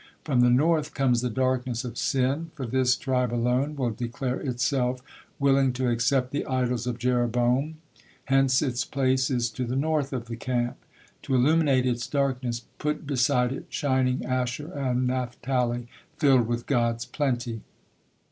From the North comes the darkness of sin, for this tribe alone will declare itself willing to accept the idols of Jeroboam, hence its place is to the North of the camp. To illuminate its darkness, put beside it shining Asher, and Naphtali, filled with God's plenty."